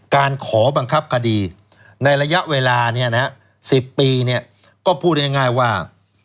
การขอบังคับคดีในระยะเวลา๑๐ปีก็พูดง่ายว่า